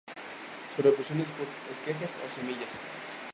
Su reproducción es por esquejes o semillas.